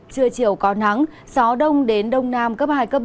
trưa chiều có nắng gió đông đến đông nam cấp hai cấp ba